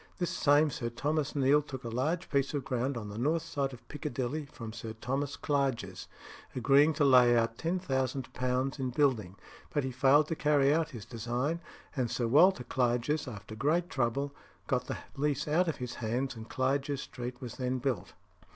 This same Mr. Thomas Neale took a large piece of ground on the north side of Piccadilly from Sir Thomas Clarges, agreeing to lay out £10,000 in building; but he failed to carry out his design, and Sir Walter Clarges, after great trouble, got the lease out of his hands, and Clarges Street was then built.